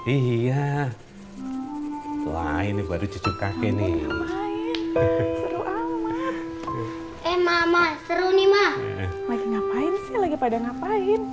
iya wah ini baru cucu kakek nih yang main seru amat eh mama seru nih mah lagi ngapain sih lagi pada ngapain